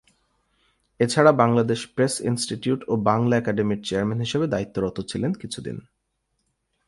এছাড়া Bangladesh press institute ও বাংলা একাডেমির চেয়ারম্যান হিসেবে দায়িত্বরত ছিলেন কিছুদিন।